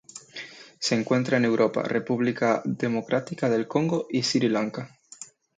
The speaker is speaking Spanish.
Se encuentra en Europa, República Democrática del Congo y Sri Lanka.